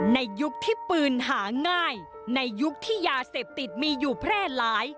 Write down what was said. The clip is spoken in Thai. ในยุคที่ปืนหาง่ายในยุคที่ยาเสพติดมีอยู่แพร่หลาย